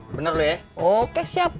bener loh ya oke siap